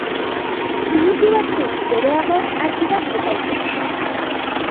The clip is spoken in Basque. Minutu batzuk geroago hasi da epaiketa.